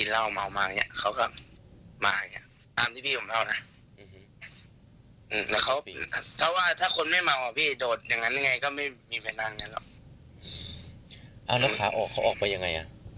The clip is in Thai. แล้วขาออกเขาออกไปยังไง